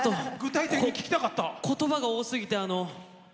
言葉が多すぎて。